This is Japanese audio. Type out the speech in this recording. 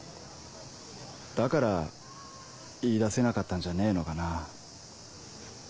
だから言い出せなかったんじゃねえのかな。